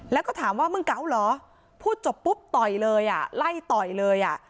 แล้วก็ถามว่ามึงเก๋าเหรอพูดจบปุ๊บต่อยเลยอ่ะไล่ต่อยเลยอ่ะ